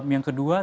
yang kedua tentu